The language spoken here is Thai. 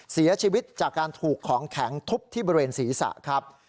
เสียชีวิตจากการถูกของแข็งทุบที่บริเวณศีรษะครับ